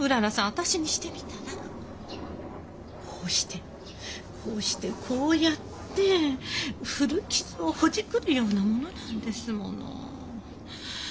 私にしてみたらこうしてこうしてこうやって古傷をほじくるようなものなんですもの。